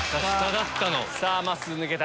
さぁまっすー抜けた。